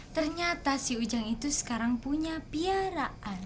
ternyata si ujang itu sekarang punya piaraan